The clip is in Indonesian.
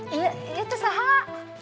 iya teh sahak